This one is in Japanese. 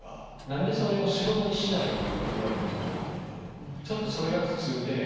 「何でそれを仕事にしないの？」って言われることが多いんやけどちょっとそれが苦痛で。